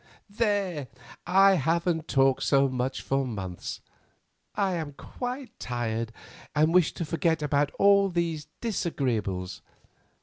"There, I haven't talked so much for months; I am quite tired, and wish to forget about all these disagreeables.